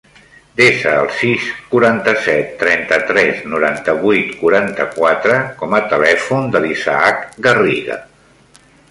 Desa el sis, quaranta-set, trenta-tres, noranta-vuit, quaranta-quatre com a telèfon de l'Isaac Garriga.